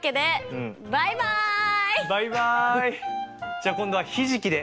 じゃあ今度はひじきで！